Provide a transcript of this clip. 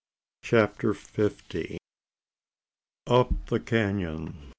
CHAPTER FIFTY. UP THE CANON.